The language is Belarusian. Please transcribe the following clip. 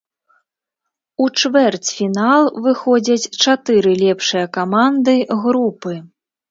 У чвэрцьфінал выходзяць чатыры лепшыя каманды групы.